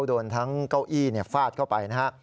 โดนทั้งเก้าอี้ฟาดเข้าไปนะฮะ